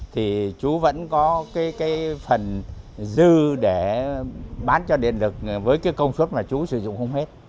thì chú vẫn có phần dư để bán cho điện lực với công suất mà chú sử dụng không hết